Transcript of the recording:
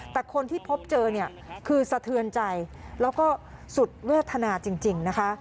แต่คนที่พบเจอเนี่ยคือสะเทือนใจแล้วก็สุดเวทนาจริงนะคะ